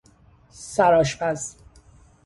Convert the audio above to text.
سرآشپز